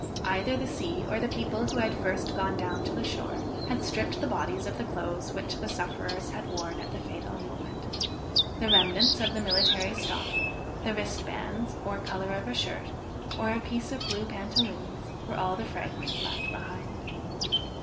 Either the sea or the people who had first gone down to the shore, had stripped the bodies of the clothes which the sufferers had wore at the fatal moment. The remnants of the military stock; the wristbands, or color of a shirt, or a piece of blue pantaloons, were all the fragments left behind.